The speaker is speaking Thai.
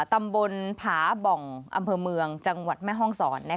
ตำบลผาบ่องอำเภอเมืองจังหวัดแม่ห้องศร